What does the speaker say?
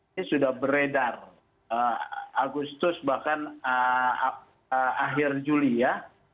ini sudah beredar agustus bahkan akhir juli ya